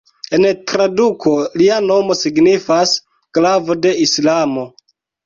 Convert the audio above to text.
En traduko lia nomo signifas "glavo de Islamo".